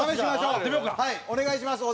はいお願いします